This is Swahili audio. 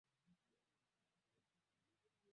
Wanafunzi walisafiri kwenda mjini.